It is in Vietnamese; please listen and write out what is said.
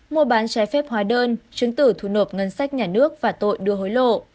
mua bán trái phép hóa đơn chứng tử thu nộp ngân sách nhà nước và tội đưa hối lộ